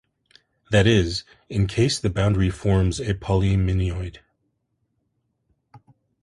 That is, in this case the boundary forms a polyominoid.